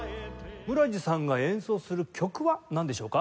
村治さんが演奏する曲はなんでしょうか？